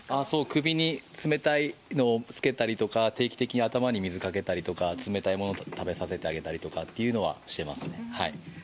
首に冷たいのをつけたりとか、定期的に頭に水かけたりとか、冷たいものを食べさせてあげたりとかっていうのはしてます。